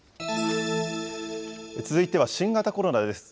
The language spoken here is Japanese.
続いては新型コロナです。